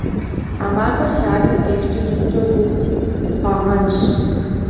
А махуэр си адэм дежкӀэ икъукӀэ гугъу хъуагъэнщ.